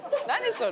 それ。